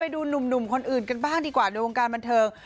ดูหนุ่มคนอื่นกันบ้างดีกว่าในวงการบันเทิง